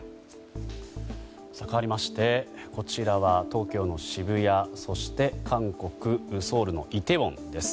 かわりましてこちらは東京の渋谷そして韓国ソウルのイテウォンです。